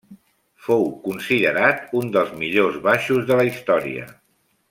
Fou considerat un dels millors baixos de la història.